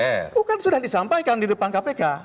itu kan sudah disampaikan di depan kpk